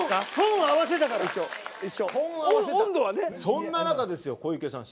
そんな中ですよ小池さん